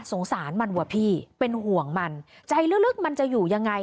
สงสารมันว่ะพี่เป็นห่วงมันใจลึกมันจะอยู่ยังไง